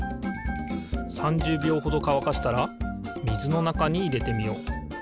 ３０びょうほどかわかしたらみずのなかにいれてみよう。